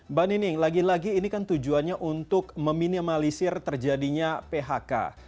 mbak nining lagi lagi ini kan tujuannya untuk meminimalisir terjadinya phk